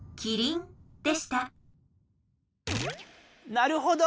なるほど。